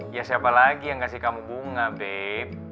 iya siapa lagi yang ngasih kamu bunga beb